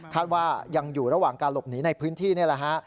ว่ายังอยู่ระหว่างการหลบหนีในพื้นที่นี่แหละฮะ